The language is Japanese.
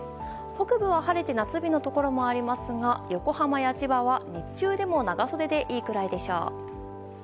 北部は晴れて夏日のところもありますが横浜や千葉は日中でも長袖でいいくらいです。